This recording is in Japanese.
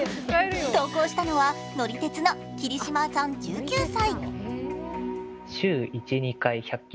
投稿したのは乗り鉄の桐嶋さん１９歳。